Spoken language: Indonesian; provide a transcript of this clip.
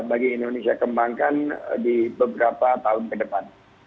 bagi indonesia kembangkan di beberapa tahun kedepan